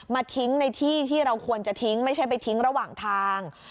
ทิ้งในที่ที่เราควรจะทิ้งไม่ใช่ไปทิ้งระหว่างทาง